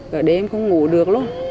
của đêm cũng ngủ được luôn